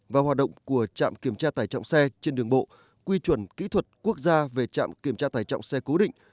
và hoạt động của trạm kiểm tra tải trọng xe trên đường bộ quy chuẩn kỹ thuật quốc gia về trạm kiểm tra tải trọng xe cố định